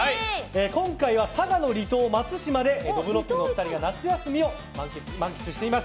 今回は佐賀の離島松島でどぶろっくの２人が夏休みを満喫しています。